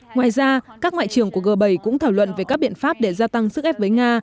ngoài ra các ngoại trưởng của g bảy cũng thảo luận về các biện pháp để gia tăng sức ép với nga